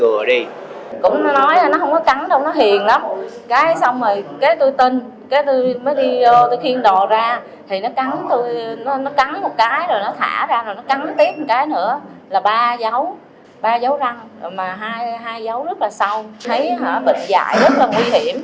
mà hai dấu rất là sâu thấy hả bệnh dại rất là nguy hiểm